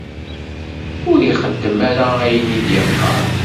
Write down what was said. Ur ixeddem ara ayen i d-yeqqaṛ